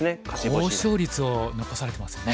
高勝率を残されてますよね。